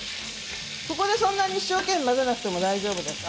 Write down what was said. ここでそんなに一生懸命混ぜなくても大丈夫です。